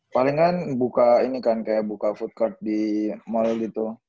palingan buka ini kan kayak buka food cart di mall gitu